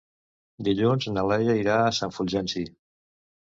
Dilluns na Laia irà a Sant Fulgenci.